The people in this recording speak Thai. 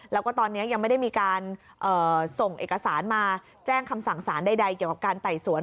แล้วก็ตอนนี้ยังไม่ได้มีการส่งเอกสารมาแจ้งคำสั่งสารใดเกี่ยวกับการไต่สวน